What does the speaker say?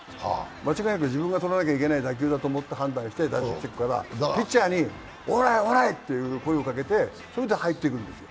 間違いなく自分が取らないといけない打球だと判断して行っているからピッチャーにオーライ、オーライという声をかけて入っていくんですよ。